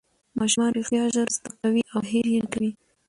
ماشومان رښتیا ژر زده کوي او هېر یې نه کوي